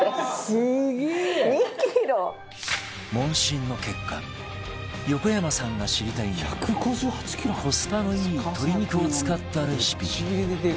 問診の結果横山さんが知りたいのはコスパのいい鶏肉を使ったレシピ